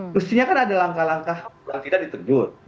pastinya kan ada langkah langkah yang tidak diterjut